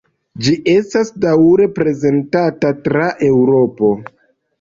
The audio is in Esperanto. Ĝi estas daŭre prezentata tra Eŭropo.